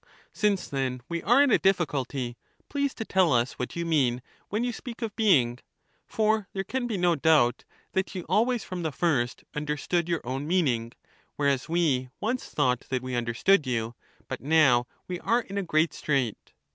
'Since, then, we are in a difficulty, please to tell us what you mean, when you speak of being ; for there can be no doubt that you always from the first understood your own meaning, whereas we once thought that we understood you, but now we are in a great strait.